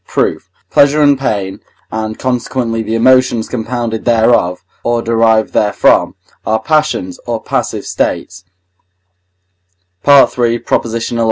Proof. Pleasure and pain, and consequently the emotions compounded thereof, or derived therefrom, are passions, or passive states (III. xi.